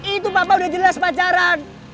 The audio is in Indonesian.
itu papa udah jelas pacaran